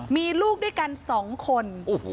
มีลูกด้วยกัน๒คน